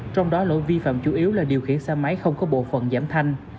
trong đó lỗi vi phạm chủ yếu là điều khiển xe máy không có bộ phận giảm thanh